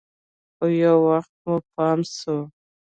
خو يو وخت مو پام سو.